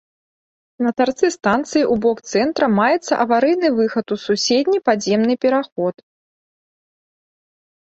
На тарцы станцыі ў бок цэнтра маецца аварыйны выхад у суседні падземны пераход.